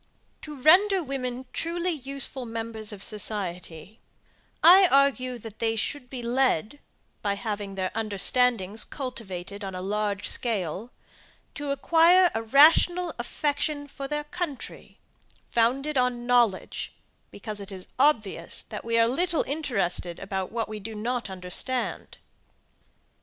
To render women truly useful members of society, I argue, that they should be led, by having their understandings cultivated on a large scale, to acquire a rational affection for their country, founded on knowledge, because it is obvious, that we are little interested about what we do not understand.